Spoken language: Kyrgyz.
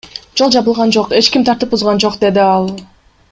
Жол жабылган жок, эч ким тартип бузган жок, — деди ал.